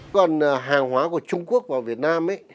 còn hàng hóa của trung quốc vào việt nam